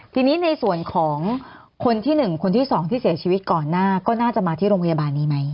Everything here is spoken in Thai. ทีนี้ในส่วนของคนที่๑คนที่๒ที่เสียชีวิตก่อนหน้าก็น่าจะมาที่โรงพยาบาลนี้ไหม